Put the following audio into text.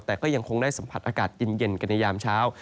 แต่ก็ยังคงได้สัมผัสอากาศเย็นกันในยามเช้า